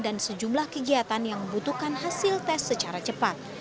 dan sejumlah kegiatan yang membutuhkan hasil tes secara cepat